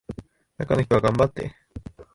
中の人は頑張って